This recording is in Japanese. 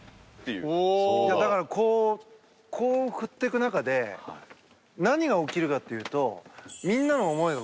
だからこうこう振っていく中で何が起きるかっていうと。